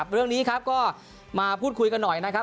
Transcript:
เรื่องนี้ครับก็มาพูดคุยกันหน่อยนะครับ